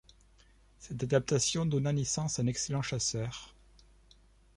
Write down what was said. Cette adaptation donna naissance à un excellent chasseur.